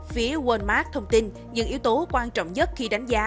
phía walmart thông tin những yếu tố quan trọng nhất khi đánh giá